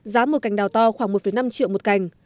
giá một cành đào to khoảng một năm triệu một cành